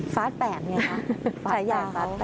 ฟาส๘ไงคะ